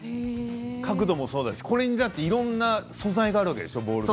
角度もそうだしこれにいろんな素材のボールがあるわけでしょ。